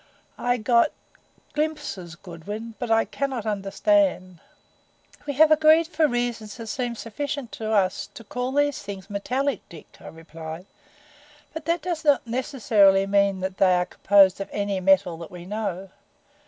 I got glimpses Goodwin, but I cannot understand." "We have agreed for reasons that seem sufficient to us to call these Things metallic, Dick," I replied. "But that does not necessarily mean that they are composed of any metal that we know.